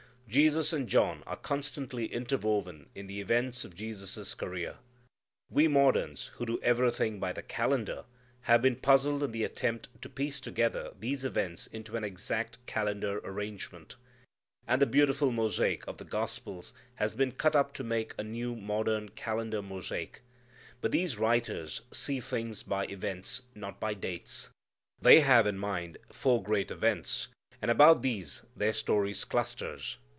Jesus and John are constantly interwoven in the events of Jesus' career. We moderns, who do everything by the calendar, have been puzzled in the attempt to piece together these events into an exact calendar arrangement. And the beautiful mosaic of the Gospels has been cut up to make a new, modern, calendar mosaic. But these writers see things by events, not by dates. They have in mind four great events, and about these their story clusters.